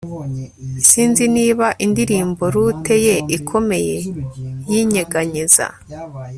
sinzi niba indirimbo lute ye ikomeye yinyeganyeza